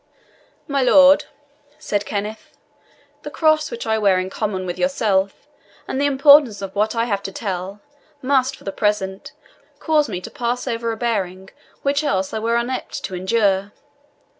"My lord," said Kenneth, "the cross which I wear in common with yourself, and the importance of what I have to tell, must, for the present, cause me to pass over a bearing which else I were unapt to endure.